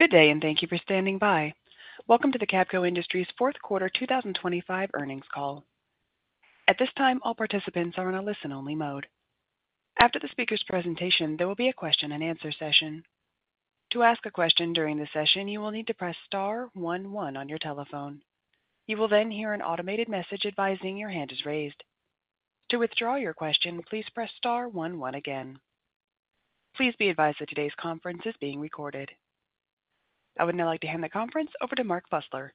Good day, and thank you for standing by. Welcome to the Cavco Industries Fourth Quarter 2025 earnings call. At this time, all participants are in a listen-only mode. After the speaker's presentation, there will be a question-and-answer session. To ask a question during the session, you will need to press star one one on your telephone. You will then hear an automated message advising your hand is raised. To withdraw your question, please press star one one again. Please be advised that today's conference is being recorded. I would now like to hand the conference over to Mark Fusler,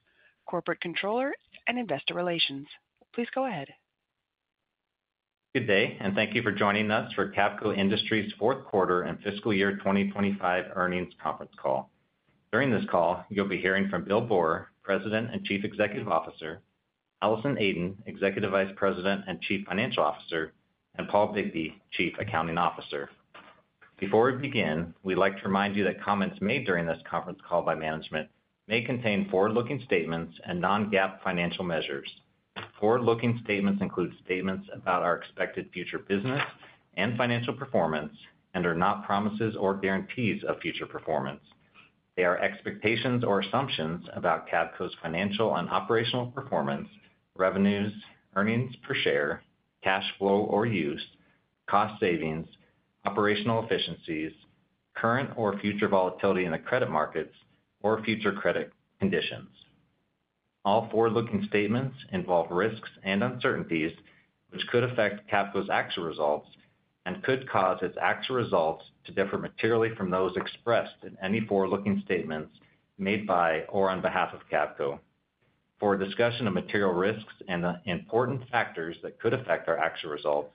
Corporate Controller and Investor Relations. Please go ahead. Good day, and thank you for joining us for Cavco Industries Fourth Quarter and Fiscal Year 2025 earnings conference call. During this call, you'll be hearing from Bill Boor, President and Chief Executive Officer; Allison Aden, Executive Vice President and Chief Financial Officer; and Paul Bigbee, Chief Accounting Officer. Before we begin, we'd like to remind you that comments made during this conference call by management may contain forward-looking statements and non-GAAP financial measures. Forward-looking statements include statements about our expected future business and financial performance and are not promises or guarantees of future performance. They are expectations or assumptions about Cavco's financial and operational performance, revenues, earnings per share, cash flow or use, cost savings, operational efficiencies, current or future volatility in the credit markets, or future credit conditions. All forward-looking statements involve risks and uncertainties which could affect Cavco's actual results and could cause its actual results to differ materially from those expressed in any forward-looking statements made by or on behalf of Cavco. For discussion of material risks and important factors that could affect our actual results,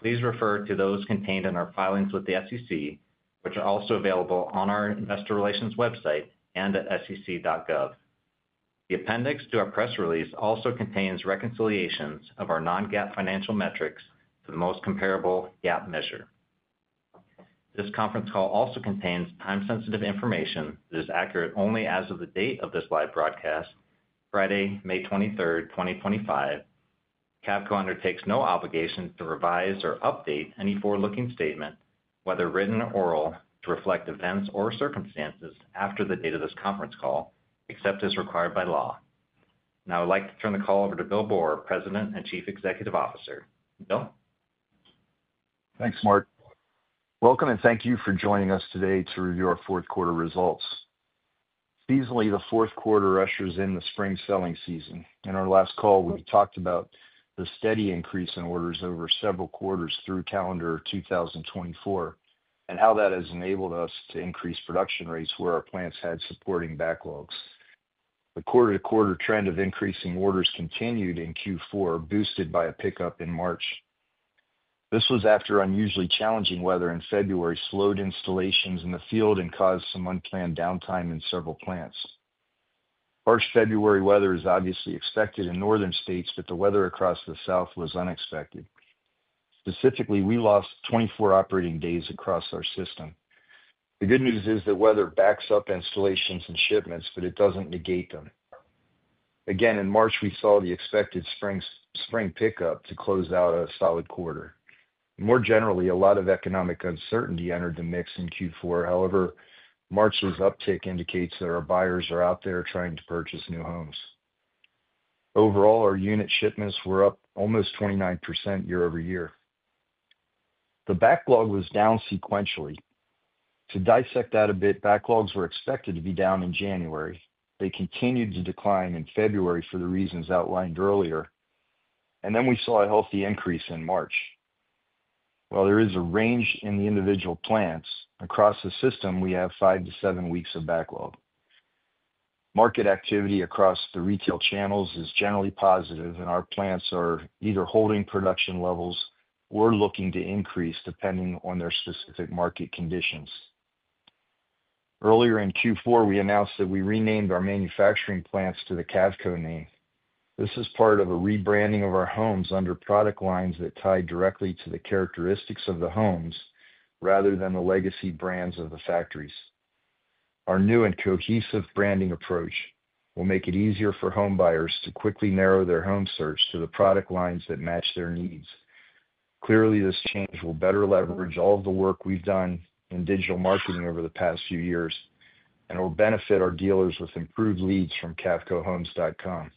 please refer to those contained in our filings with the SEC, which are also available on our Investor Relations website and at sec.gov. The appendix to our press release also contains reconciliations of our non-GAAP financial metrics to the most comparable GAAP measure. This conference call also contains time-sensitive information that is accurate only as of the date of this live broadcast, Friday, May 23rd, 2025. Cavco undertakes no obligation to revise or update any forward-looking statement, whether written or oral, to reflect events or circumstances after the date of this conference call, except as required by law. Now, I'd like to turn the call over to Bill Boor, President and Chief Executive Officer. Bill? Thanks, Mark. Welcome, and thank you for joining us today to review our fourth quarter results. Seasonally, the fourth quarter ushers in the spring selling season. In our last call, we talked about the steady increase in orders over several quarters through calendar 2024 and how that has enabled us to increase production rates where our plants had supporting backlogs. The quarter-to-quarter trend of increasing orders continued in Q4, boosted by a pickup in March. This was after unusually challenging weather in February slowed installations in the field and caused some unplanned downtime in several plants. Harsh February weather is obviously expected in northern states, but the weather across the south was unexpected. Specifically, we lost 24 operating days across our system. The good news is that weather backs up installations and shipments, but it does not negate them. Again, in March, we saw the expected spring pickup to close out a solid quarter. More generally, a lot of economic uncertainty entered the mix in Q4. However, March's uptick indicates that our buyers are out there trying to purchase new homes. Overall, our unit shipments were up almost 29% year-over-year. The backlog was down sequentially. To dissect that a bit, backlogs were expected to be down in January. They continued to decline in February for the reasons outlined earlier, and then we saw a healthy increase in March. While there is a range in the individual plants, across the system, we have five to seven weeks of backlog. Market activity across the retail channels is generally positive, and our plants are either holding production levels or looking to increase depending on their specific market conditions. Earlier in Q4, we announced that we renamed our manufacturing plants to the Cavco name. This is part of a rebranding of our homes under product lines that tie directly to the characteristics of the homes rather than the legacy brands of the factories. Our new and cohesive branding approach will make it easier for home buyers to quickly narrow their home search to the product lines that match their needs. Clearly, this change will better leverage all of the work we've done in digital marketing over the past few years and will benefit our dealers with improved leads from cavcohomes.com.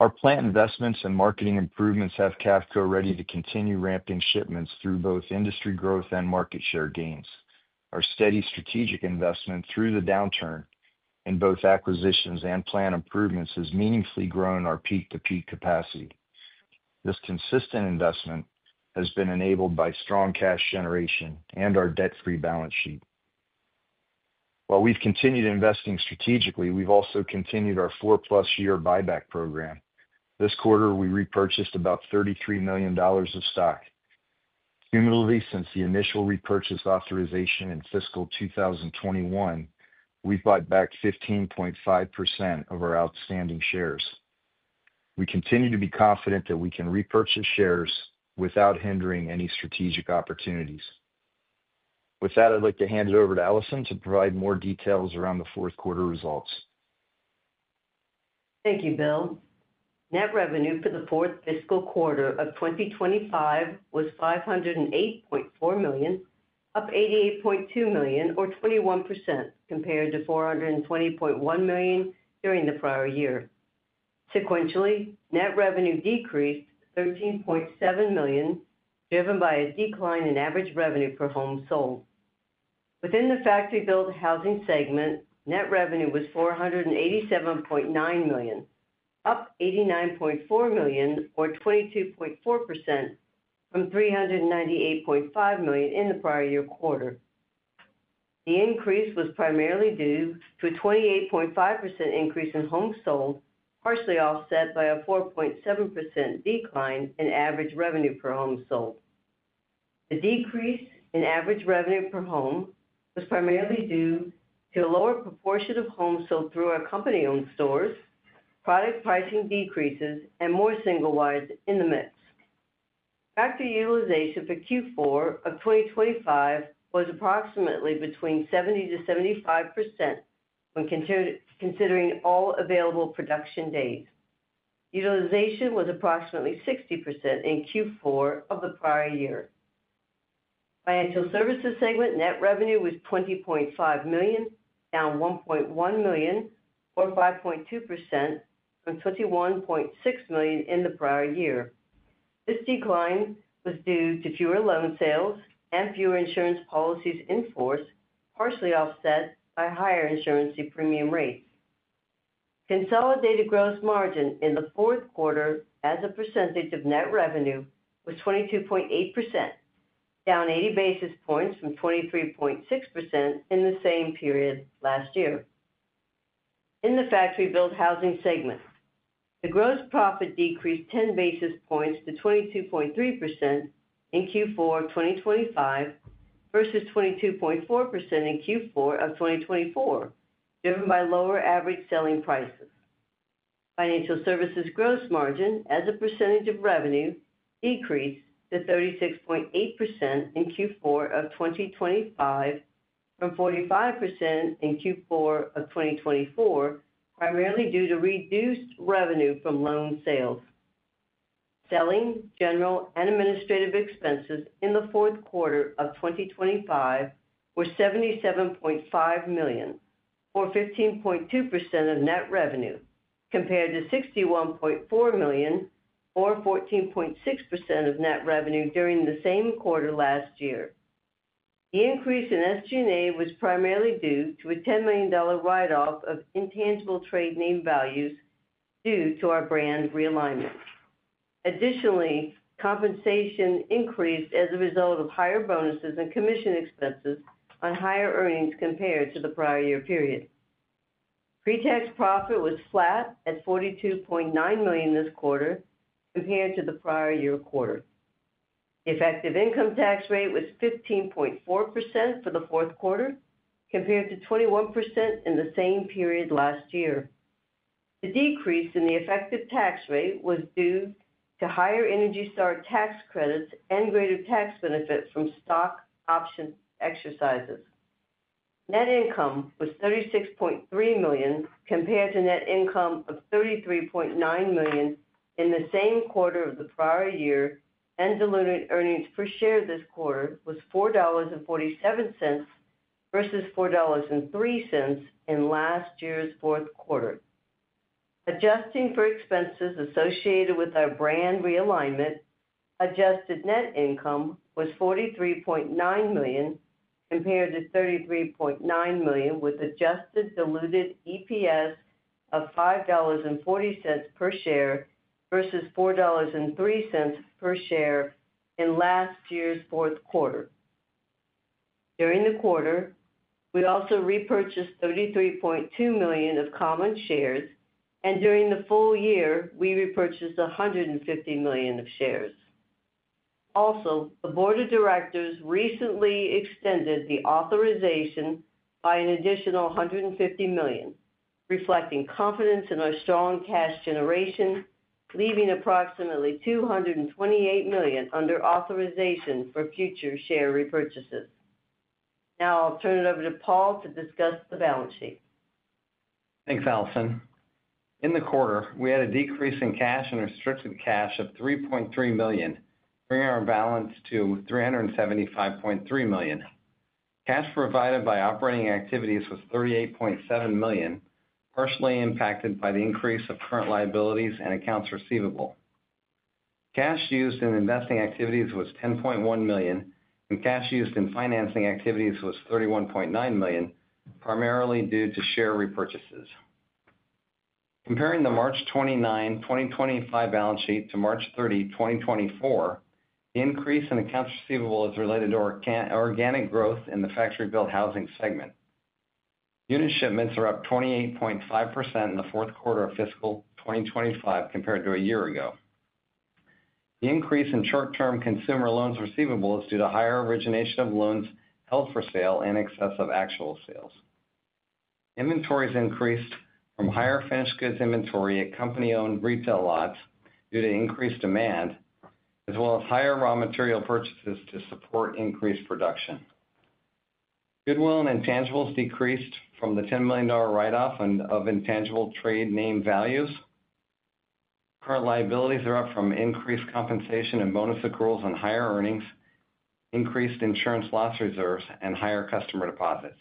Our plant investments and marketing improvements have Cavco ready to continue ramping shipments through both industry growth and market share gains. Our steady strategic investment through the downturn in both acquisitions and plant improvements has meaningfully grown our peak-to-peak capacity. This consistent investment has been enabled by strong cash generation and our debt-free balance sheet. While we've continued investing strategically, we've also continued our 4+ year buyback program. This quarter, we repurchased about $33 million of stock. Cumulatively, since the initial repurchase authorization in fiscal 2021, we've bought back 15.5% of our outstanding shares. We continue to be confident that we can repurchase shares without hindering any strategic opportunities. With that, I'd like to hand it over to Allison to provide more details around the fourth quarter results. Thank you, Bill. Net revenue for the fourth fiscal quarter of 2025 was $508.4 million, up $88.2 million, or 21%, compared to $420.1 million during the prior year. Sequentially, net revenue decreased $13.7 million, driven by a decline in average revenue per home sold. Within the factory-built housing segment, net revenue was $487.9 million, up $89.4 million, or 22.4%, from $398.5 million in the prior year quarter. The increase was primarily due to a 28.5% increase in homes sold, partially offset by a 4.7% decline in average revenue per home sold. The decrease in average revenue per home was primarily due to a lower proportion of homes sold through our company-owned stores, product pricing decreases, and more single-wide in the mix. Factory utilization for Q4 of 2025 was approximately between 70%-75% when considering all available production days. Utilization was approximately 60% in Q4 of the prior year. Financial services segment net revenue was $20.5 million, down $1.1 million, or 5.2%, from $21.6 million in the prior year. This decline was due to fewer loan sales and fewer insurance policies in force, partially offset by higher insurance premium rates. Consolidated gross margin in the fourth quarter as a percentage of net revenue was 22.8%, down 80 basis points from 23.6% in the same period last year. In the factory-built housing segment, the gross profit decreased 10 basis points to 22.3% in Q4 of 2025 versus 22.4% in Q4 of 2024, driven by lower average selling prices. Financial services gross margin as a percentage of revenue decreased to 36.8% in Q4 of 2025, from 45% in Q4 of 2024, primarily due to reduced revenue from loan sales. Selling, general, and administrative expenses in the fourth quarter of 2025 were $77.5 million, or 15.2% of net revenue, compared to $61.4 million, or 14.6% of net revenue during the same quarter last year. The increase in SG&A was primarily due to a $10 million write-off of intangible trade name values due to our brand realignment. Additionally, compensation increased as a result of higher bonuses and commission expenses on higher earnings compared to the prior year period. Pre-tax profit was flat at $42.9 million this quarter compared to the prior year quarter. The effective income tax rate was 15.4% for the fourth quarter, compared to 21% in the same period last year. The decrease in the effective tax rate was due to higher ENERGY STAR tax credits and greater tax benefit from stock option exercises. Net income was $36.3 million compared to net income of $33.9 million in the same quarter of the prior year, and diluted earnings per share this quarter was $4.47 versus $4.03 in last year's fourth quarter. Adjusting for expenses associated with our brand realignment, adjusted net income was $43.9 million compared to $33.9 million, with adjusted diluted EPS of $5.40 per share versus $4.03 per share in last year's fourth quarter. During the quarter, we also repurchased $33.2 million of common shares, and during the full year, we repurchased $150 million of shares. Also, the board of directors recently extended the authorization by an additional $150 million, reflecting confidence in our strong cash generation, leaving approximately $228 million under authorization for future share repurchases. Now, I'll turn it over to Paul to discuss the balance sheet. Thanks, Allison. In the quarter, we had a decrease in cash and restricted cash of $3.3 million, bringing our balance to $375.3 million. Cash provided by operating activities was $38.7 million, partially impacted by the increase of current liabilities and accounts receivable. Cash used in investing activities was $10.1 million, and cash used in financing activities was $31.9 million, primarily due to share repurchases. Comparing the March 29th, 2025 balance sheet to March 30th, 2024, the increase in accounts receivable is related to organic growth in the factory-built housing segment. Unit shipments are up 28.5% in the fourth quarter of fiscal 2025 compared to a year ago. The increase in short-term consumer loans receivable is due to higher origination of loans held for sale in excess of actual sales. Inventories increased from higher finished goods inventory at company-owned retail lots due to increased demand, as well as higher raw material purchases to support increased production. Goodwill and intangibles decreased from the $10 million write-off of intangible trade name values. Current liabilities are up from increased compensation and bonus accruals on higher earnings, increased insurance loss reserves, and higher customer deposits.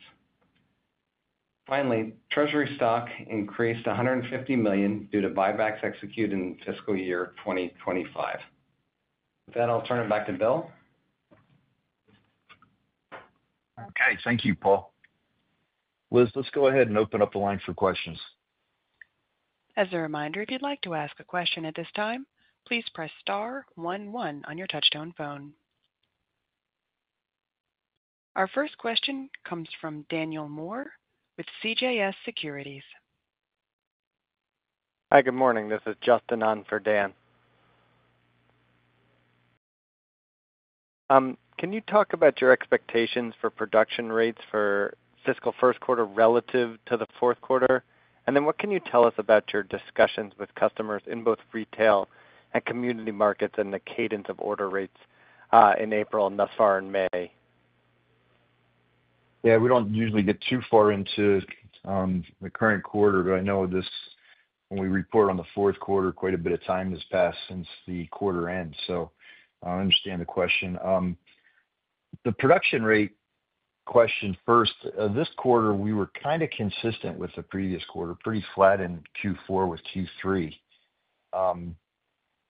Finally, treasury stock increased $150 million due to buybacks executed in fiscal year 2025. With that, I'll turn it back to Bill. Okay. Thank you, Paul. Liz, let's go ahead and open up the line for questions. As a reminder, if you'd like to ask a question at this time, please press star one one on your touch-tone phone. Our first question comes from Daniel Moore with CJS Securities. Hi, good morning. This is Justin on for Dan. Can you talk about your expectations for production rates for fiscal first quarter relative to the fourth quarter? What can you tell us about your discussions with customers in both retail and community markets and the cadence of order rates in April and thus far in May? Yeah, we do not usually get too far into the current quarter, but I know when we report on the fourth quarter, quite a bit of time has passed since the quarter end. I understand the question. The production rate question first, this quarter, we were kind of consistent with the previous quarter, pretty flat in Q4 with Q3.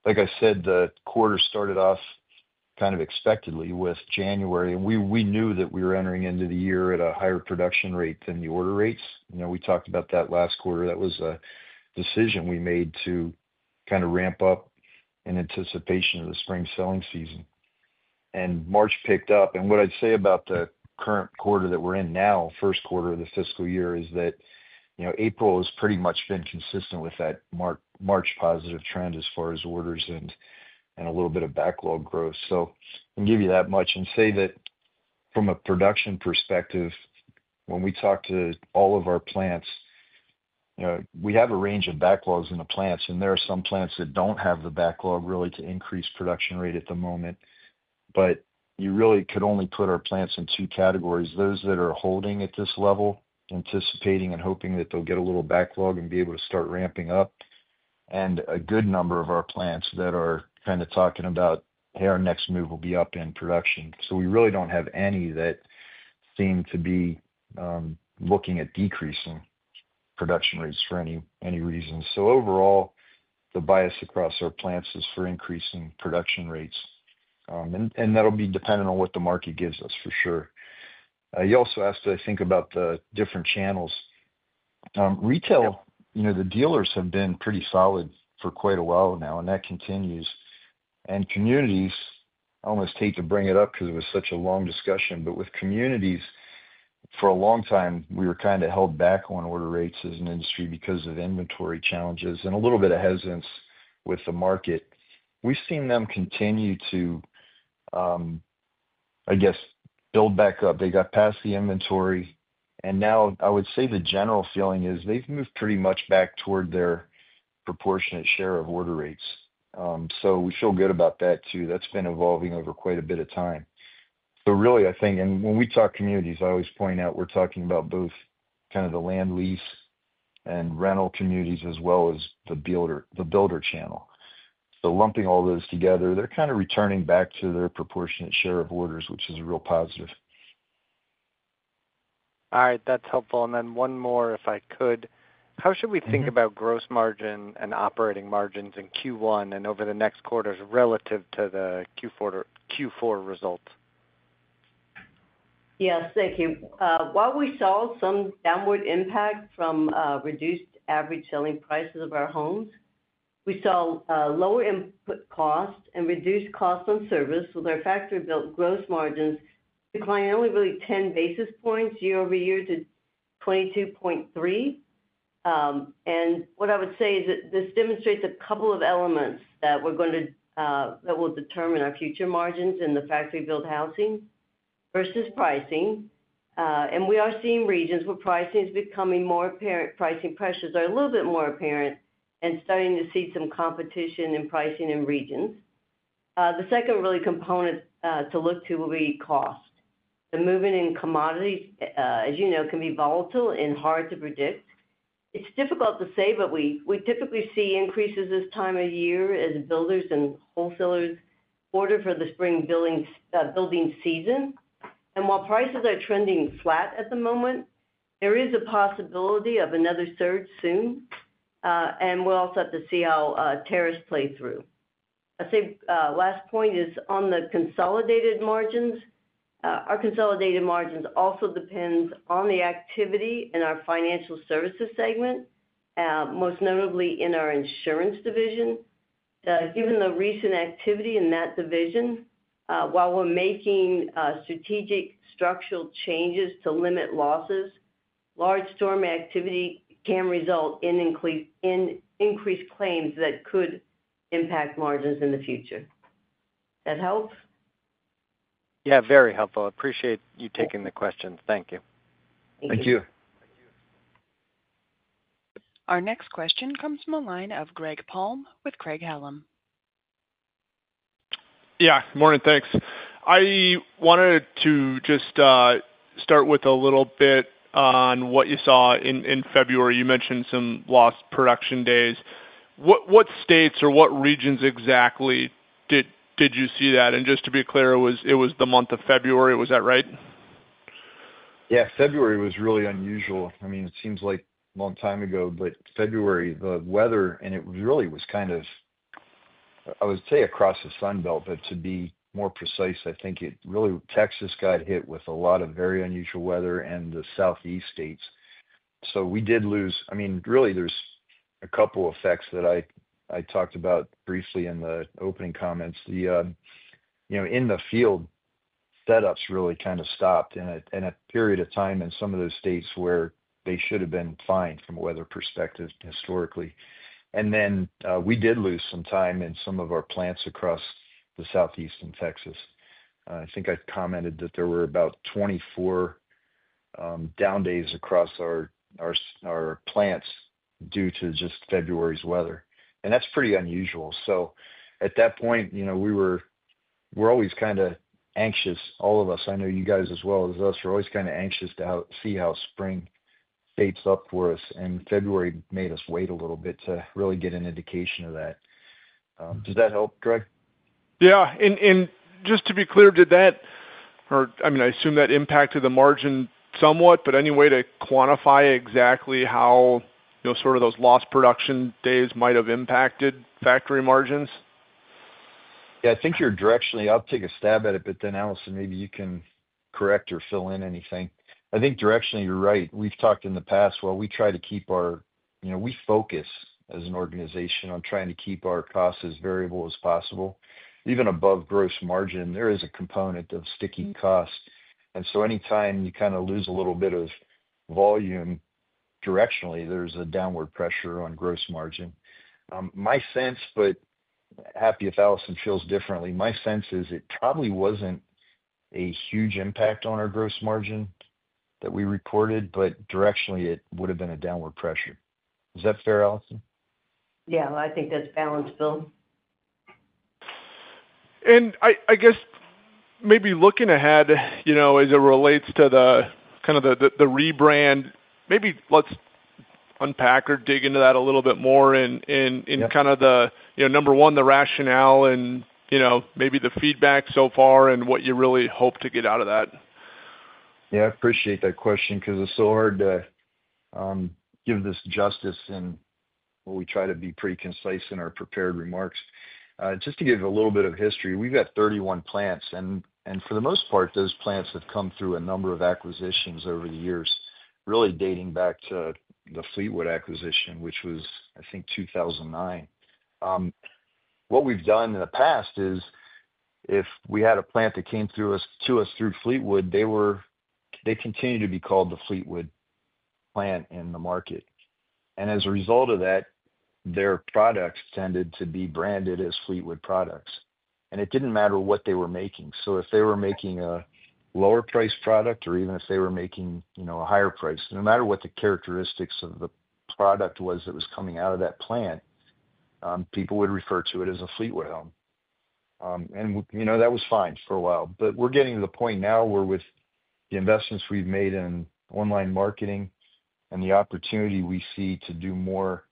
Like I said, the quarter started off kind of expectedly with January, and we knew that we were entering into the year at a higher production rate than the order rates. We talked about that last quarter. That was a decision we made to kind of ramp up in anticipation of the spring selling season. March picked up. What I'd say about the current quarter that we're in now, first quarter of the fiscal year, is that April has pretty much been consistent with that March positive trend as far as orders and a little bit of backlog growth. I can give you that much and say that from a production perspective, when we talk to all of our plants, we have a range of backlogs in the plants, and there are some plants that don't have the backlog really to increase production rate at the moment. You really could only put our plants in two categories: those that are holding at this level, anticipating and hoping that they'll get a little backlog and be able to start ramping up, and a good number of our plants that are kind of talking about, "Hey, our next move will be up in production." We really do not have any that seem to be looking at decreasing production rates for any reason. Overall, the bias across our plants is for increasing production rates. That will be dependent on what the market gives us, for sure. You also asked that I think about the different channels. Retail, the dealers have been pretty solid for quite a while now, and that continues. Communities, I almost hate to bring it up because it was such a long discussion, but with communities, for a long time, we were kind of held back on order rates as an industry because of inventory challenges and a little bit of hesitance with the market. We have seen them continue to, I guess, build back up. They got past the inventory. I would say the general feeling is they have moved pretty much back toward their proportionate share of order rates. We feel good about that too. That has been evolving over quite a bit of time. Really, I think, and when we talk communities, I always point out we are talking about both kind of the land lease and rental communities as well as the builder channel. Lumping all those together, they're kind of returning back to their proportionate share of orders, which is a real positive. All right. That's helpful. One more, if I could. How should we think about gross margin and operating margins in Q1 and over the next quarters relative to the Q4 results? Yes, thank you. While we saw some downward impact from reduced average selling prices of our homes, we saw lower input costs and reduced costs on service with our factory-built gross margins declined only really 10 basis points year-over-year to 22.3%. What I would say is that this demonstrates a couple of elements that we are going to that will determine our future margins in the factory-built housing versus pricing. We are seeing regions where pricing is becoming more apparent, pricing pressures are a little bit more apparent, and starting to see some competition in pricing in regions. The second really component to look to will be cost. The movement in commodities, as you know, can be volatile and hard to predict. It is difficult to say, but we typically see increases this time of year as builders and wholesalers order for the spring building season. While prices are trending flat at the moment, there is a possibility of another surge soon. We will also have to see how tariffs play through. I'd say last point is on the consolidated margins. Our consolidated margins also depend on the activity in our financial services segment, most notably in our insurance division. Given the recent activity in that division, while we're making strategic structural changes to limit losses, large storm activity can result in increased claims that could impact margins in the future. That helps? Yeah, very helpful. I appreciate you taking the questions. Thank you. Thank you. Thank you. Our next question comes from a line of Greg Palm with Craig-Hallum. Yeah. Morning, thanks. I wanted to just start with a little bit on what you saw in February. You mentioned some lost production days. What states or what regions exactly did you see that? And just to be clear, it was the month of February. Was that right? Yeah. February was really unusual. I mean, it seems like a long time ago, but February, the weather, and it really was kind of, I would say, across the Sun Belt, but to be more precise, I think it really Texas got hit with a lot of very unusual weather and the Southeast states. We did lose—I mean, really, there are a couple of effects that I talked about briefly in the opening comments. In the field, setups really kind of stopped in a period of time in some of those states where they should have been fine from a weather perspective historically. Then we did lose some time in some of our plants across the Southeast and Texas. I think I commented that there were about 24 down days across our plants due to just February's weather. That is pretty unusual. At that point, we were always kind of anxious, all of us. I know you guys as well as us were always kind of anxious to see how spring shapes up for us. February made us wait a little bit to really get an indication of that. Does that help, Greg? Yeah. And just to be clear, did that—I mean, I assume that impacted the margin somewhat, but any way to quantify exactly how sort of those lost production days might have impacted factory margins? Yeah. I think you're directionally—I’ll take a stab at it, but then, Allison, maybe you can correct or fill in anything. I think directionally, you're right. We've talked in the past while we try to keep our—we focus as an organization on trying to keep our costs as variable as possible. Even above gross margin, there is a component of sticky cost. Anytime you kind of lose a little bit of volume directionally, there's a downward pressure on gross margin. My sense—but happy if Allison feels differently—my sense is it probably wasn't a huge impact on our gross margin that we reported, but directionally, it would have been a downward pressure. Is that fair, Allison? Yeah. I think that's balanced, Bill. I guess maybe looking ahead as it relates to kind of the rebrand, maybe let's unpack or dig into that a little bit more in kind of the, number one, the rationale and maybe the feedback so far and what you really hope to get out of that. Yeah. I appreciate that question because it's so hard to give this justice and we try to be pretty concise in our prepared remarks. Just to give a little bit of history, we've got 31 plants. And for the most part, those plants have come through a number of acquisitions over the years, really dating back to the Fleetwood acquisition, which was, I think, 2009. What we've done in the past is if we had a plant that came through us through Fleetwood, they continued to be called the Fleetwood plant in the market. As a result of that, their products tended to be branded as Fleetwood products. It didn't matter what they were making. If they were making a lower-priced product or even if they were making a higher price, no matter what the characteristics of the product was that was coming out of that plant, people would refer to it as a Fleetwood home. That was fine for a while. We are getting to the point now where with the investments we have made in online marketing and the opportunity we see to do more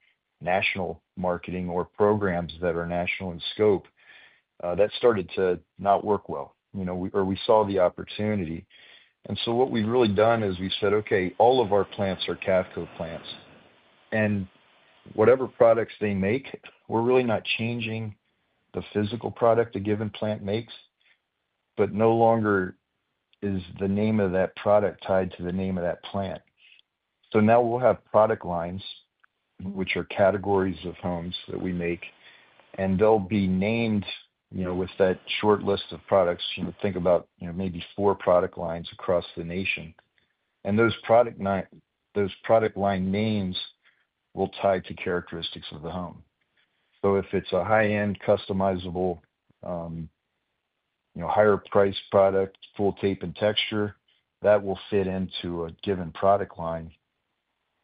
national marketing or programs that are national in scope, that started to not work well. We saw the opportunity. What we have really done is we said, "Okay, all of our plants are Cavco plants." Whatever products they make, we are really not changing the physical product a given plant makes, but no longer is the name of that product tied to the name of that plant. Now we'll have product lines, which are categories of homes that we make, and they'll be named with that short list of products. Think about maybe four product lines across the nation. Those product line names will tie to characteristics of the home. If it's a high-end, customizable, higher-priced product, full tape and texture, that will fit into a given product line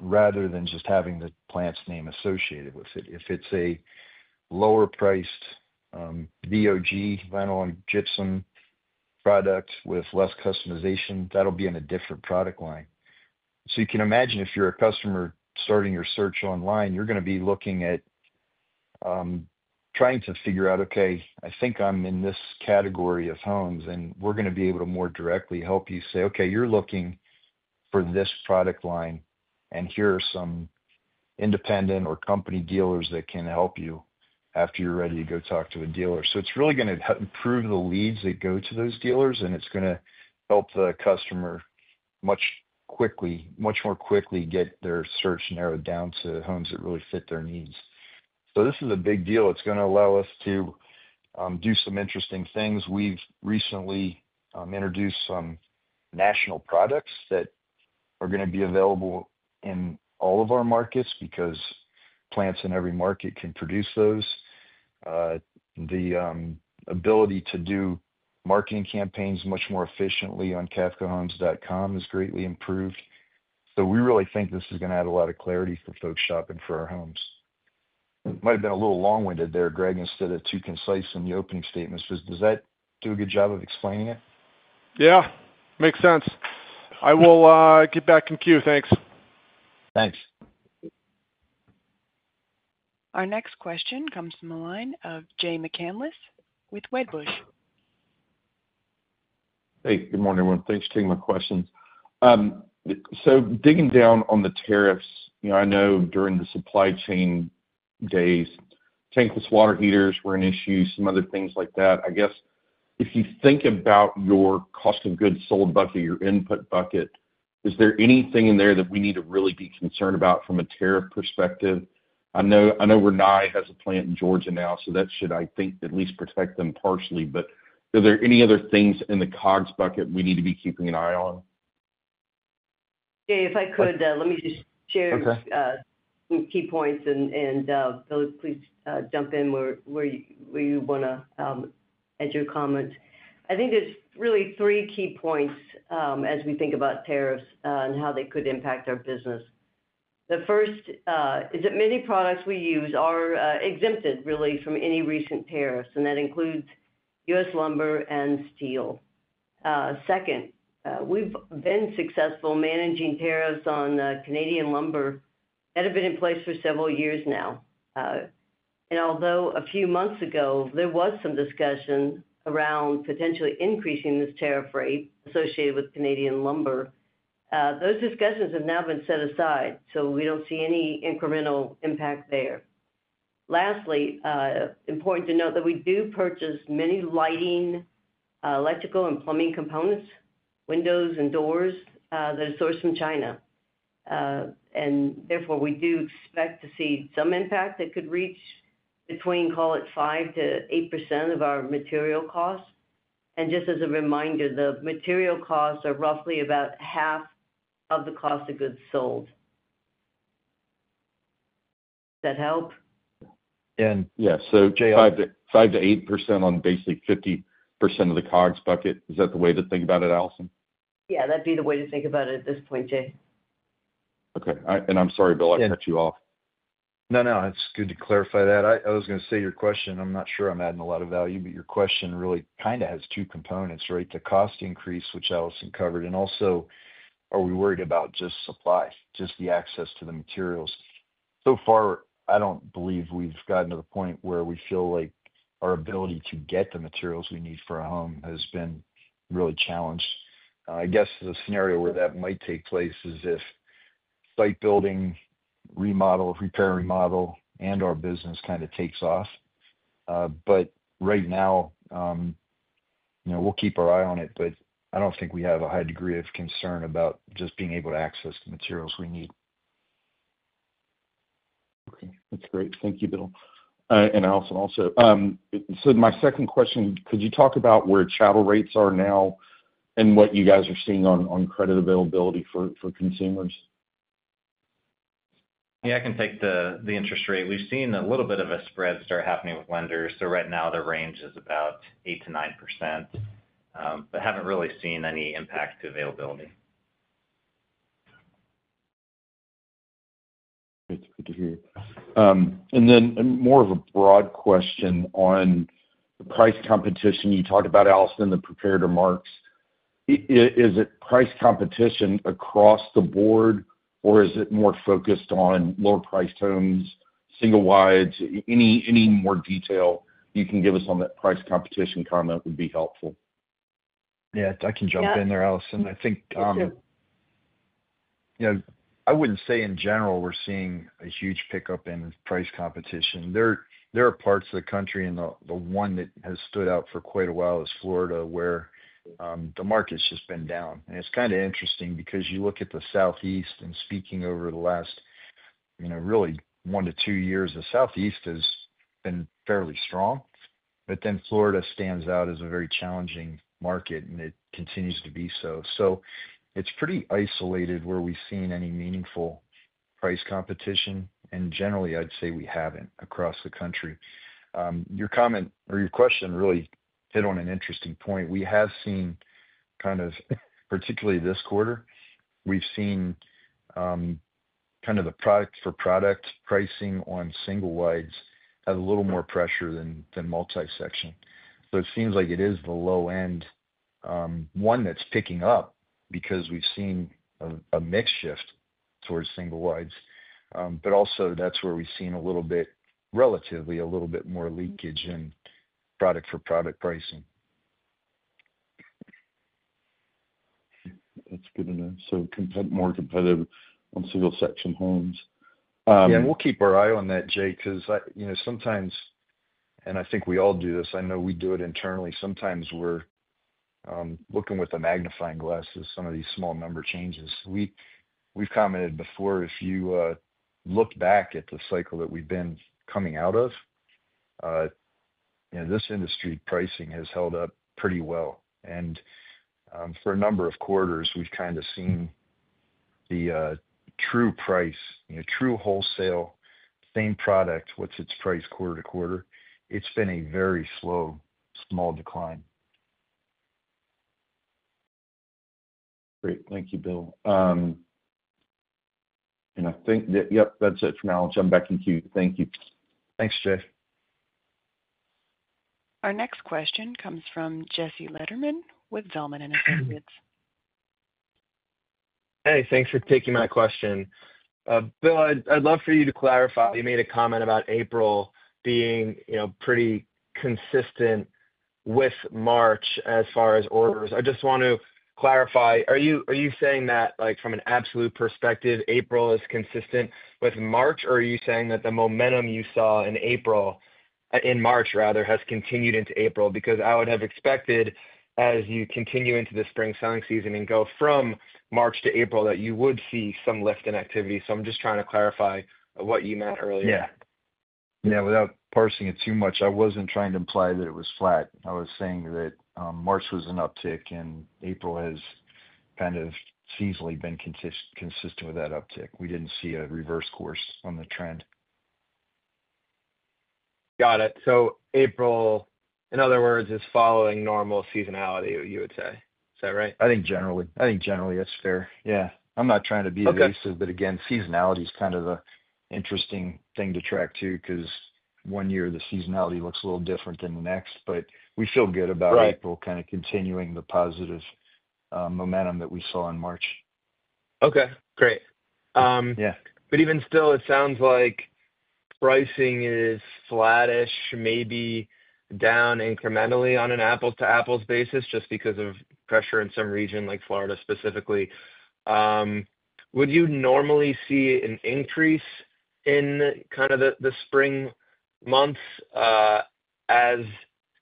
rather than just having the plant's name associated with it. If it's a lower-priced VOG, vinyl and gypsum product with less customization, that'll be in a different product line. You can imagine if you're a customer starting your search online, you're going to be looking at trying to figure out, "Okay, I think I'm in this category of homes," and we're going to be able to more directly help you say, "Okay, you're looking for this product line, and here are some independent or company dealers that can help you after you're ready to go talk to a dealer." It's really going to improve the leads that go to those dealers, and it's going to help the customer much more quickly get their search narrowed down to homes that really fit their needs. This is a big deal. It's going to allow us to do some interesting things. We've recently introduced some national products that are going to be available in all of our markets because plants in every market can produce those. The ability to do marketing campaigns much more efficiently on cavcohomes.com has greatly improved. We really think this is going to add a lot of clarity for folks shopping for our homes. I might have been a little long-winded there, Greg, instead of too concise in the opening statements. Does that do a good job of explaining it? Yeah. Makes sense. I will get back in queue. Thanks. Thanks. Our next question comes from a line of Jay McCanless with Wedbush. Hey. Good morning, everyone. Thanks for taking my questions. Digging down on the tariffs, I know during the supply chain days, tankless water heaters were an issue, some other things like that. I guess if you think about your cost of goods sold bucket, your input bucket, is there anything in there that we need to really be concerned about from a tariff perspective? I know Rinnai has a plant in Georgia now, so that should, I think, at least protect them partially. Are there any other things in the COGS bucket we need to be keeping an eye on? Jay, if I could, let me just share some key points, and Bill, please jump in where you want to add your comments. I think there's really three key points as we think about tariffs and how they could impact our business. The first is that many products we use are exempted, really, from any recent tariffs, and that includes U.S. lumber and steel. Second, we've been successful managing tariffs on Canadian lumber that have been in place for several years now. Although a few months ago, there was some discussion around potentially increasing this tariff rate associated with Canadian lumber, those discussions have now been set aside, so we do not see any incremental impact there. Lastly, important to note that we do purchase many lighting, electrical, and plumbing components, windows and doors that are sourced from China. Therefore, we do expect to see some impact that could reach between, call it, 5%-8% of our material costs. Just as a reminder, the material costs are roughly about half of the cost of goods sold. Does that help? Yeah. Jay, 5%-8% on basically 50% of the COGS bucket. Is that the way to think about it, Allison? Yeah. That'd be the way to think about it at this point, Jay. Okay. I'm sorry, Bill, I cut you off. No, no. It's good to clarify that. I was going to say your question, I'm not sure I'm adding a lot of value, but your question really kind of has two components, right? The cost increase, which Allison covered, and also, are we worried about just supply, just the access to the materials? So far, I don't believe we've gotten to the point where we feel like our ability to get the materials we need for a home has been really challenged. I guess the scenario where that might take place is if site building, repair, remodel, and our business kind of takes off. Right now, we'll keep our eye on it, but I don't think we have a high degree of concern about just being able to access the materials we need. Okay. That's great. Thank you, Bill. And Allison also. My second question, could you talk about where channel rates are now and what you guys are seeing on credit availability for consumers? Yeah. I can take the interest rate. We've seen a little bit of a spread start happening with lenders. So right now, the range is about 8%-9%, but haven't really seen any impact to availability. That's good to hear. Then more of a broad question on the price competition. You talked about, Allison, the prepared remarks. Is it price competition across the board, or is it more focused on lower-priced homes, single-wides? Any more detail you can give us on that price competition comment would be helpful. Yeah. I can jump in there, Allison. I think. Sure. Yeah. I wouldn't say in general we're seeing a huge pickup in price competition. There are parts of the country, and the one that has stood out for quite a while is Florida, where the market's just been down. It's kind of interesting because you look at the Southeast, and speaking over the last really one to two years, the Southeast has been fairly strong. Florida stands out as a very challenging market, and it continues to be so. It's pretty isolated where we've seen any meaningful price competition. Generally, I'd say we haven't across the country. Your comment or your question really hit on an interesting point. We have seen kind of, particularly this quarter, we've seen kind of the product-for-product pricing on single-wides have a little more pressure than multi-section. It seems like it is the low-end one that's picking up because we've seen a mix shift towards single-wides. But also, that's where we've seen a little bit, relatively, a little bit more leakage in product-for-product pricing. That's good to know. More competitive on single-section homes. Yeah. We will keep our eye on that, Jay, because sometimes—and I think we all do this; I know we do it internally—sometimes we are looking with a magnifying glass at some of these small number changes. We have commented before, if you look back at the cycle that we have been coming out of, this industry pricing has held up pretty well. For a number of quarters, we have kind of seen the true price, true wholesale, same product, what is its price quarter to quarter. It has been a very slow small decline. Great. Thank you, Bill. I think that—yep, that's it for now. I'll jump back in queue. Thank you. Thanks, Jay. Our next question comes from Jesse Lederman with Zelman & Associates. Hey. Thanks for taking my question. Bill, I'd love for you to clarify. You made a comment about April being pretty consistent with March as far as orders. I just want to clarify. Are you saying that from an absolute perspective, April is consistent with March, or are you saying that the momentum you saw in March rather has continued into April? Because I would have expected, as you continue into the spring selling season and go from March to April, that you would see some lift in activity. So I'm just trying to clarify what you meant earlier. Yeah. Yeah. Without parsing it too much, I was not trying to imply that it was flat. I was saying that March was an uptick, and April has kind of seasonally been consistent with that uptick. We did not see a reverse course on the trend. Got it. So April, in other words, is following normal seasonality, you would say. Is that right? I think generally, that's fair. Yeah. I'm not trying to be evasive, but again, seasonality is kind of an interesting thing to track too because one year the seasonality looks a little different than the next. We feel good about April kind of continuing the positive momentum that we saw in March. Okay. Great. Even still, it sounds like pricing is flattish, maybe down incrementally on an apples-to-apples basis just because of pressure in some region, like Florida specifically. Would you normally see an increase in kind of the spring months as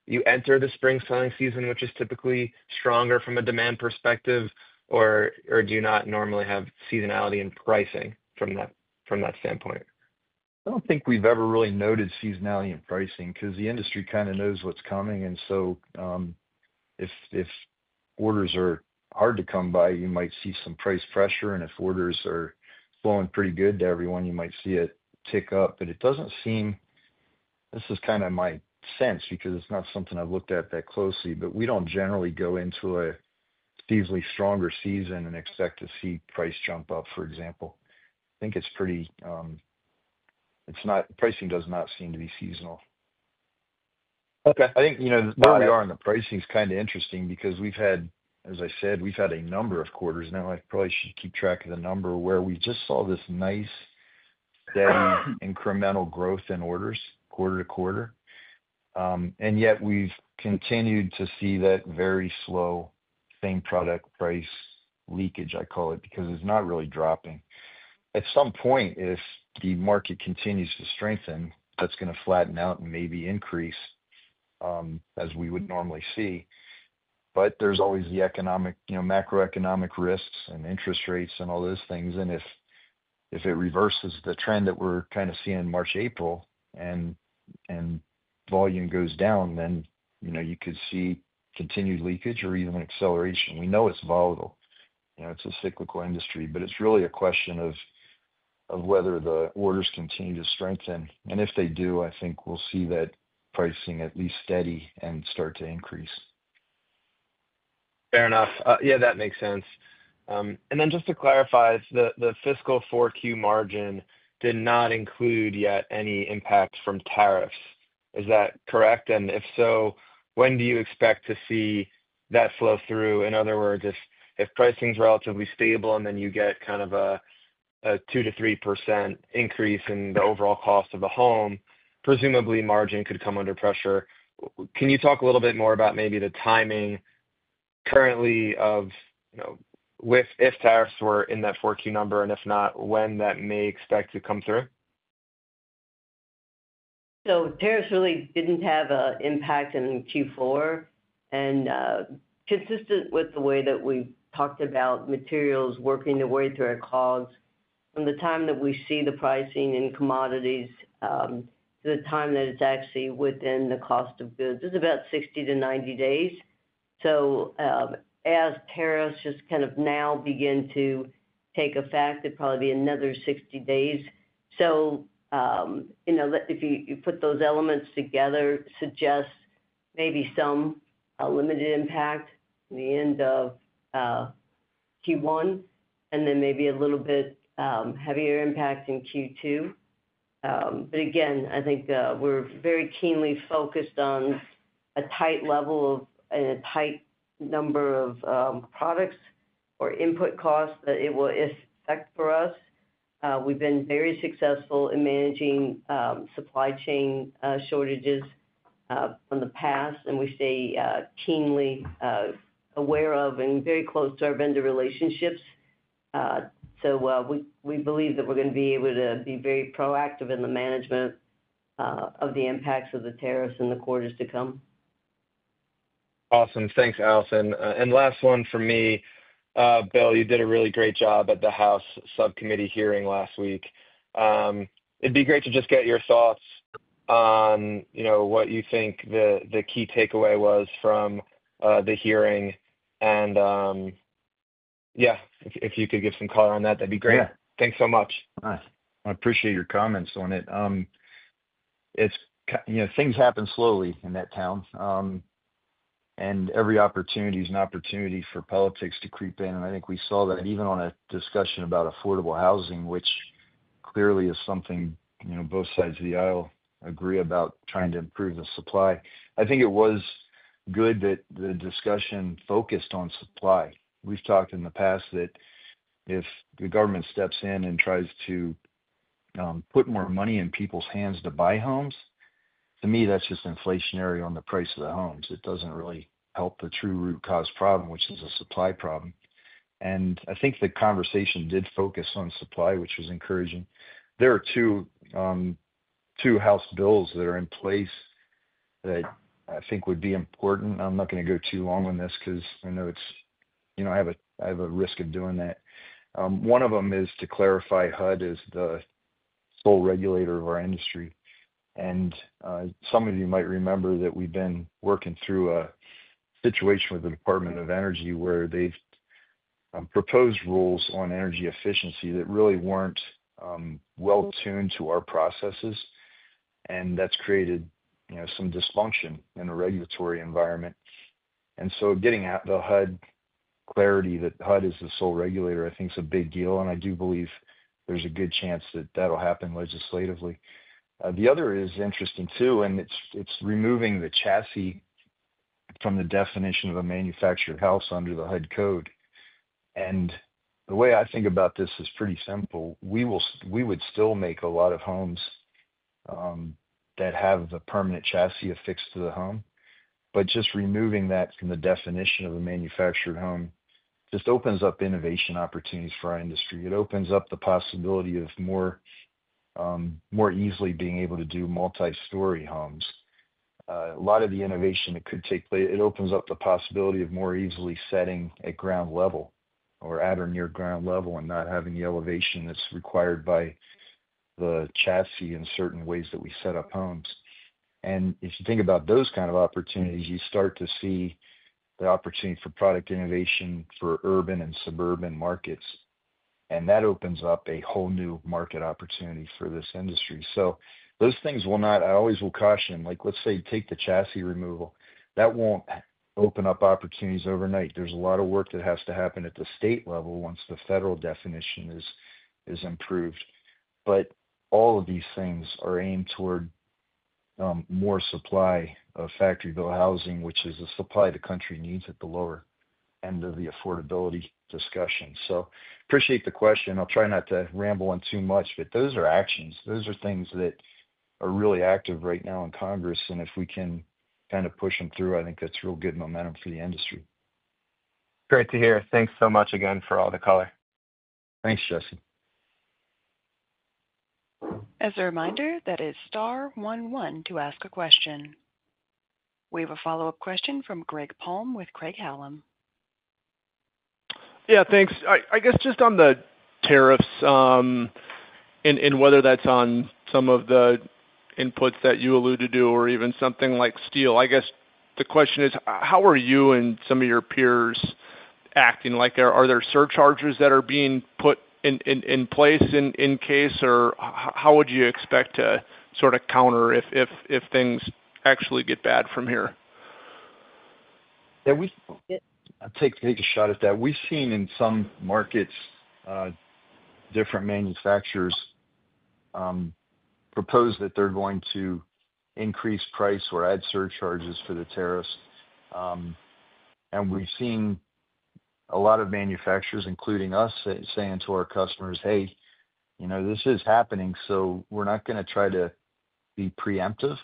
you enter the spring selling season, which is typically stronger from a demand perspective, or do you not normally have seasonality in pricing from that standpoint? I don't think we've ever really noted seasonality in pricing because the industry kind of knows what's coming. If orders are hard to come by, you might see some price pressure. If orders are flowing pretty good to everyone, you might see it tick up. It doesn't seem—this is kind of my sense because it's not something I've looked at that closely—but we don't generally go into a seasonally stronger season and expect to see price jump up, for example. I think it's pretty—pricing does not seem to be seasonal. Okay. I think where we are in the pricing is kind of interesting because we've had, as I said, we've had a number of quarters. Now, I probably should keep track of the number where we just saw this nice, steady, incremental growth in orders quarter to quarter. Yet, we've continued to see that very slow same product price leakage, I call it, because it's not really dropping. At some point, if the market continues to strengthen, that's going to flatten out and maybe increase as we would normally see. There's always the macroeconomic risks and interest rates and all those things. If it reverses the trend that we're kind of seeing in March, April, and volume goes down, then you could see continued leakage or even acceleration. We know it's volatile. It's a cyclical industry, but it's really a question of whether the orders continue to strengthen. If they do, I think we'll see that pricing at least steady and start to increase. Fair enough. Yeah. That makes sense. Just to clarify, the fiscal fourth quarter margin did not include yet any impact from tariffs. Is that correct? If so, when do you expect to see that flow through? In other words, if pricing's relatively stable and then you get kind of a 2%-3% increase in the overall cost of a home, presumably margin could come under pressure. Can you talk a little bit more about maybe the timing currently if tariffs were in that fourth quarter number, and if not, when that may expect to come through? Tariffs really did not have an impact in Q4. Consistent with the way that we talked about materials working their way through our COGS, from the time that we see the pricing in commodities to the time that it is actually within the cost of goods, it is about 60-90 days. As tariffs just kind of now begin to take effect, it would probably be another 60 days. If you put those elements together, it suggests maybe some limited impact at the end of Q1, and then maybe a little bit heavier impact in Q2. Again, I think we are very keenly focused on a tight level and a tight number of products or input costs that it will affect for us. We have been very successful in managing supply chain shortages in the past, and we stay keenly aware of and very close to our vendor relationships. We believe that we're going to be able to be very proactive in the management of the impacts of the tariffs in the quarters to come. Awesome. Thanks, Allison. Last one for me, Bill, you did a really great job at the House Subcommittee hearing last week. It'd be great to just get your thoughts on what you think the key takeaway was from the hearing. Yeah, if you could give some color on that, that'd be great. Thanks so much. All right. I appreciate your comments on it. Things happen slowly in that town, and every opportunity is an opportunity for politics to creep in. I think we saw that even on a discussion about affordable housing, which clearly is something both sides of the aisle agree about trying to improve the supply. I think it was good that the discussion focused on supply. We've talked in the past that if the government steps in and tries to put more money in people's hands to buy homes, to me, that's just inflationary on the price of the homes. It does not really help the true root cause problem, which is a supply problem. I think the conversation did focus on supply, which was encouraging. There are two House bills that are in place that I think would be important. I'm not going to go too long on this because I know I have a risk of doing that. One of them is to clarify HUD as the sole regulator of our industry. Some of you might remember that we've been working through a situation with the Department of Energy where they've proposed rules on energy efficiency that really weren't well-tuned to our processes. That has created some dysfunction in the regulatory environment. Getting the HUD clarity that HUD is the sole regulator, I think, is a big deal. I do believe there's a good chance that that'll happen legislatively. The other is interesting too, and it's removing the chassis from the definition of a manufactured house under the HUD code. The way I think about this is pretty simple. We would still make a lot of homes that have a permanent chassis affixed to the home. Just removing that from the definition of a manufactured home opens up innovation opportunities for our industry. It opens up the possibility of more easily being able to do multi-story homes. A lot of the innovation that could take place opens up the possibility of more easily setting at ground level or at or near ground level and not having the elevation that is required by the chassis in certain ways that we set up homes. If you think about those kind of opportunities, you start to see the opportunity for product innovation for urban and suburban markets. That opens up a whole new market opportunity for this industry. Those things will not—I always will caution, like let's say take the chassis removal. That won't open up opportunities overnight. There's a lot of work that has to happen at the state level once the federal definition is improved. All of these things are aimed toward more supply of factory-built housing, which is the supply the country needs at the lower end of the affordability discussion. I appreciate the question. I'll try not to ramble on too much, but those are actions. Those are things that are really active right now in Congress. If we can kind of push them through, I think that's real good momentum for the industry. Great to hear. Thanks so much again for all the color. Thanks, Jesse. As a reminder, that is star one one to ask a question. We have a follow-up question from Greg Palm with Craig-Hallum. Yeah. Thanks. I guess just on the tariffs and whether that's on some of the inputs that you alluded to or even something like steel, I guess the question is, how are you and some of your peers acting? Are there surcharges that are being put in place in case, or how would you expect to sort of counter if things actually get bad from here? Yeah. I'll take a shot at that. We've seen in some markets different manufacturers propose that they're going to increase price or add surcharges for the tariffs. And we've seen a lot of manufacturers, including us, saying to our customers, "Hey, this is happening, so we're not going to try to be preemptive,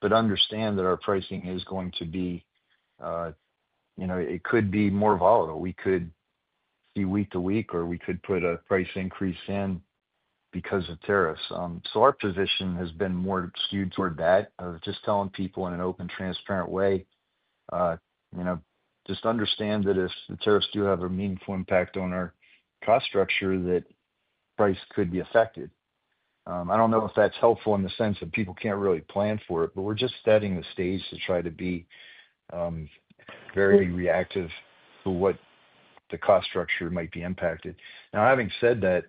but understand that our pricing is going to be—it could be more volatile. We could see week to week, or we could put a price increase in because of tariffs. Our position has been more skewed toward that of just telling people in an open, transparent way, "Just understand that if the tariffs do have a meaningful impact on our cost structure, that price could be affected." I don't know if that's helpful in the sense that people can't really plan for it, but we're just setting the stage to try to be very reactive to what the cost structure might be impacted. Now, having said that,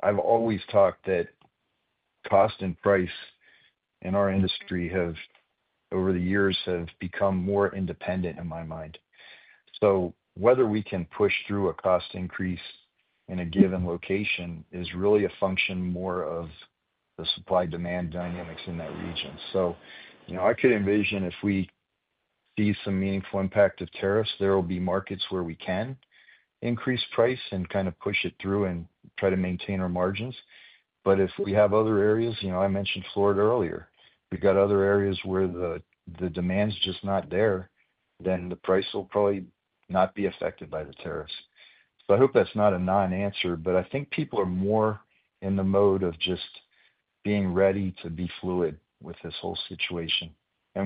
I've always talked that cost and price in our industry have, over the years, become more independent in my mind. Whether we can push through a cost increase in a given location is really a function more of the supply-demand dynamics in that region. I could envision if we see some meaningful impact of tariffs, there will be markets where we can increase price and kind of push it through and try to maintain our margins. If we have other areas—I mentioned Florida earlier—we have other areas where the demand's just not there, then the price will probably not be affected by the tariffs. I hope that's not a non-answer, but I think people are more in the mode of just being ready to be fluid with this whole situation.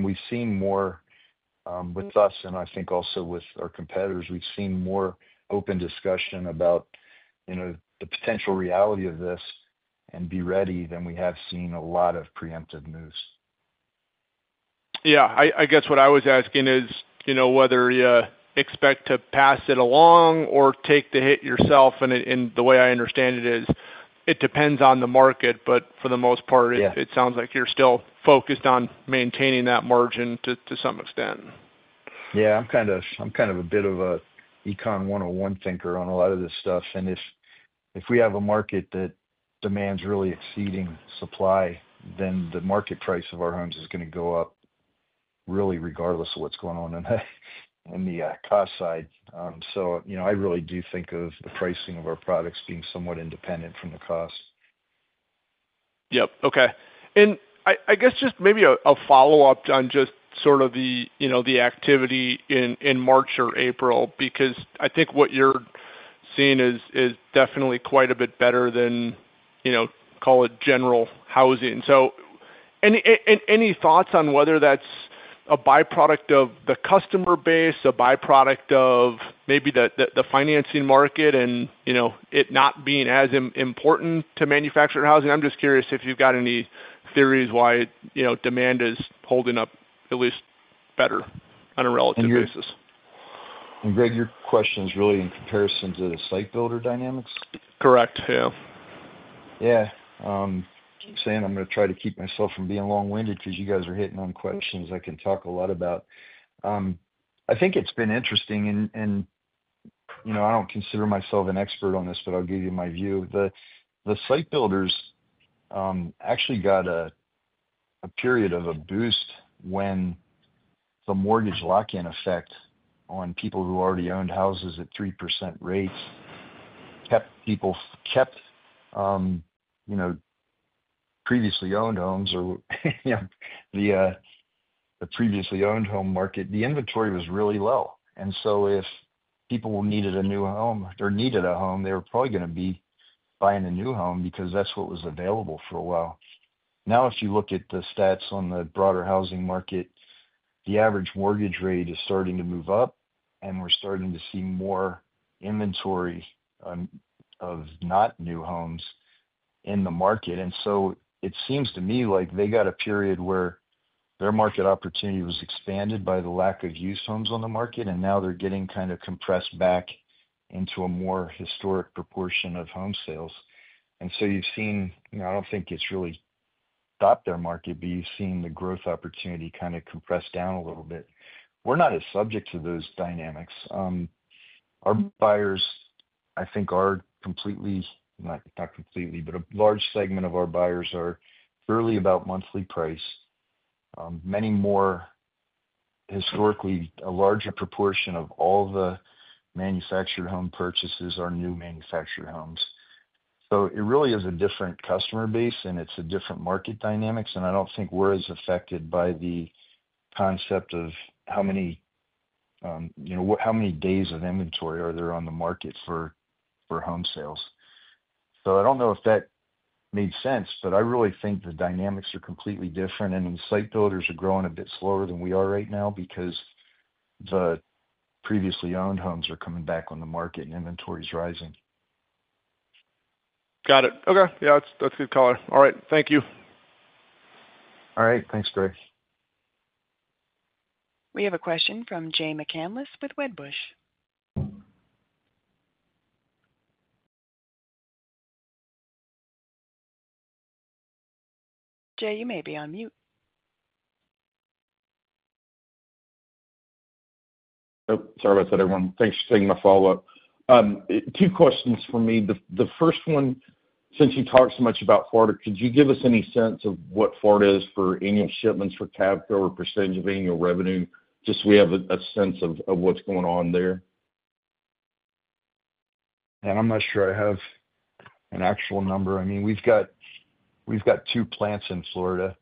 We've seen more with us, and I think also with our competitors, we've seen more open discussion about the potential reality of this and being ready than we have seen a lot of preemptive moves. Yeah. I guess what I was asking is whether you expect to pass it along or take the hit yourself. The way I understand it is it depends on the market, but for the most part, it sounds like you're still focused on maintaining that margin to some extent. Yeah. I'm kind of a bit of an Econ 101 thinker on a lot of this stuff. If we have a market that demands really exceeding supply, then the market price of our homes is going to go up really regardless of what's going on in the cost side. I really do think of the pricing of our products being somewhat independent from the cost. Yep. Okay. I guess just maybe a follow-up on just sort of the activity in March or April because I think what you're seeing is definitely quite a bit better than, call it, general housing. Any thoughts on whether that's a byproduct of the customer base, a byproduct of maybe the financing market, and it not being as important to manufactured housing? I'm just curious if you've got any theories why demand is holding up at least better on a relative basis. Greg, your question is really in comparison to the site builder dynamics? Correct. Yeah. Yeah. I'm saying I'm going to try to keep myself from being long-winded because you guys are hitting on questions I can talk a lot about. I think it's been interesting, and I don't consider myself an expert on this, but I'll give you my view. The site builders actually got a period of a boost when the mortgage lock-in effect on people who already owned houses at 3% rates kept people—kept previously owned homes or the previously owned home market—the inventory was really low. If people needed a new home or needed a home, they were probably going to be buying a new home because that's what was available for a while. Now, if you look at the stats on the broader housing market, the average mortgage rate is starting to move up, and we're starting to see more inventory of not new homes in the market. It seems to me like they got a period where their market opportunity was expanded by the lack of used homes on the market, and now they're getting kind of compressed back into a more historic proportion of home sales. You have seen—I do not think it has really stopped their market, but you have seen the growth opportunity kind of compress down a little bit. We are not as subject to those dynamics. Our buyers, I think, are completely—not completely, but a large segment of our buyers are purely about monthly price. Many more, historically, a larger proportion of all the manufactured home purchases are new manufactured homes. It really is a different customer base, and it is different market dynamics. I do not think we are as affected by the concept of how many days of inventory are there on the market for home sales. I don't know if that made sense, but I really think the dynamics are completely different. The site builders are growing a bit slower than we are right now because the previously owned homes are coming back on the market and inventory is rising. Got it. Okay. Yeah. That's good color. All right. Thank you. All right. Thanks, Greg. We have a question from Jay McCanless with Wedbush. Jay, you may be on mute. Sorry about that, everyone. Thanks for taking my follow-up. Two questions for me. The first one, since you talked so much about Florida, could you give us any sense of what Florida is for annual shipments for Cavco or percentage of annual revenue? Just so we have a sense of what's going on there. Yeah. I'm not sure I have an actual number. I mean, we've got two plants in Florida.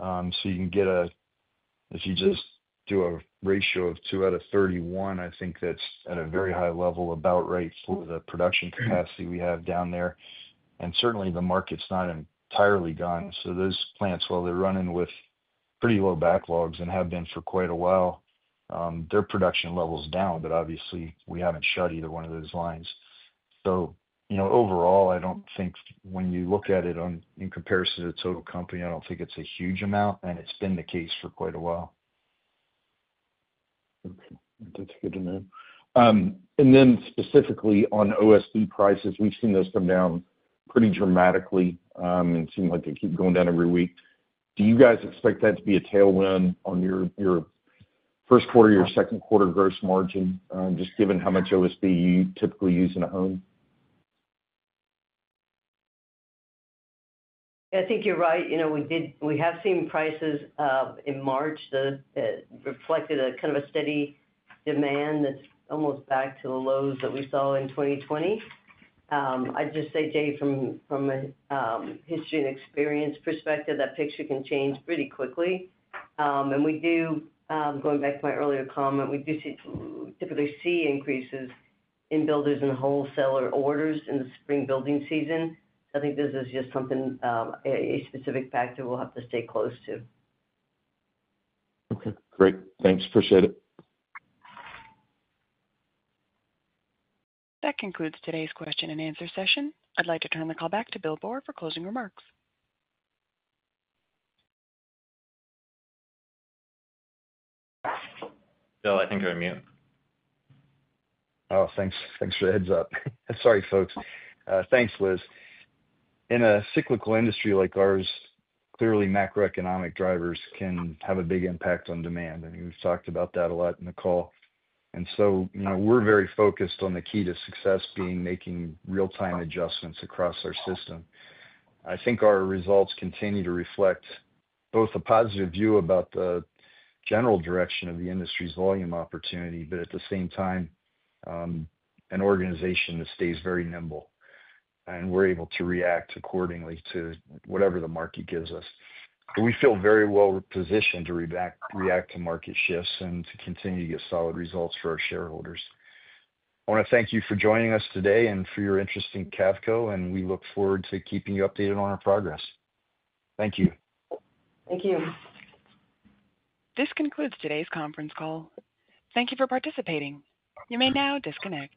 You can get a—if you just do a ratio of two out of 31, I think that's at a very high level about right for the production capacity we have down there. Certainly, the market's not entirely gone. Those plants, while they're running with pretty low backlogs and have been for quite a while, their production level's down, but obviously, we haven't shut either one of those lines. Overall, I don't think when you look at it in comparison to the total company, I don't think it's a huge amount, and it's been the case for quite a while. Okay. That's good to know. Specifically on OSB prices, we've seen those come down pretty dramatically and seem like they keep going down every week. Do you guys expect that to be a tailwind on your first quarter or your second quarter gross margin, just given how much OSB you typically use in a home? Yeah. I think you're right. We have seen prices in March that reflected a kind of a steady demand that's almost back to the lows that we saw in 2020. I'd just say, Jay, from a history and experience perspective, that picture can change pretty quickly. Going back to my earlier comment, we do typically see increases in builders and wholesaler orders in the spring building season. I think this is just something, a specific factor we'll have to stay close to. Okay. Great. Thanks. Appreciate it. That concludes today's question and answer session. I'd like to turn the call back to Bill Boor for closing remarks. Bill, I think you're on mute. Oh, thanks. Thanks for the heads-up. Sorry, folks. Thanks, Liz. In a cyclical industry like ours, clearly, macroeconomic drivers can have a big impact on demand. We've talked about that a lot in the call. We're very focused on the key to success being making real-time adjustments across our system. I think our results continue to reflect both a positive view about the general direction of the industry's volume opportunity, but at the same time, an organization that stays very nimble. We're able to react accordingly to whatever the market gives us. We feel very well-positioned to react to market shifts and to continue to get solid results for our shareholders. I want to thank you for joining us today and for your interest in Cavco, and we look forward to keeping you updated on our progress. Thank you. Thank you. This concludes today's conference call. Thank you for participating. You may now disconnect.